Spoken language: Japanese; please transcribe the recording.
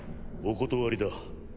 お断りだ。